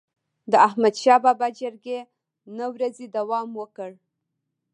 د احمدشاه بابا جرګي نه ورځي دوام وکړ.